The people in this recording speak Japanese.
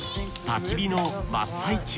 焚き火の真っ最中。